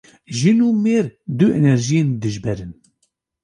Jin û mêr, du enerjiyên dijber in